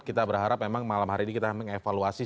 kita berharap memang malam hari ini kita mengevaluasi